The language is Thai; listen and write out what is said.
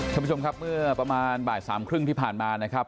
ท่านผู้ชมครับเมื่อประมาณบ่ายสามครึ่งที่ผ่านมานะครับ